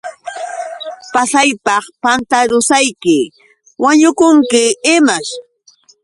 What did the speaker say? Pasaypaq pantarusayki, ¿wañukunki imaćh?